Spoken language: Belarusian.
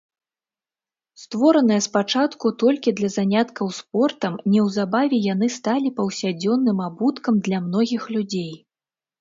Створаныя спачатку толькі для заняткаў спортам, неўзабаве яны сталі паўсядзённым абуткам для многіх людзей.